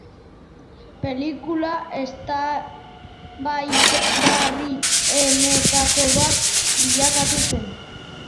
Pelikula eztabaidagarrienetako bat bilakatu zen.